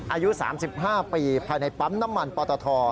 อายุ๓๕ปีภายในปั๊มน้ำมันปตท